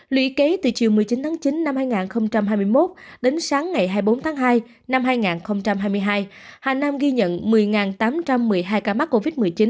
lũy kế từ chiều một mươi chín tháng chín năm hai nghìn hai mươi một đến sáng ngày hai mươi bốn tháng hai năm hai nghìn hai mươi hai hà nam ghi nhận một mươi tám trăm một mươi hai ca mắc covid một mươi chín